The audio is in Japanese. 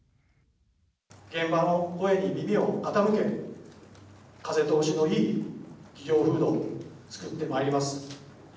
現場の声に耳を傾け、風通しのいい企業風土を作ってまいります。